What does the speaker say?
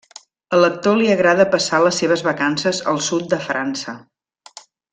A l'actor li agrada passar les seves vacances al Sud de França.